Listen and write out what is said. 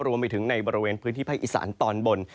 รวมไปถึงในบริเวณพื้นที่ภาคอีสานตอนบน